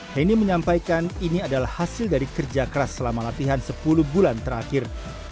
heni menyampaikan ini adalah hasil dari kerja keras selama latihan sepuluh bulan terakhir